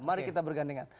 mari kita bergandengan